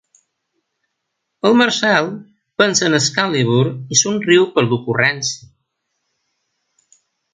El Marcel pensa en Excalibur i somriu per l'ocurrència.